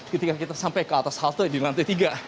ketika kita sampai ke atas halte di lantai tiga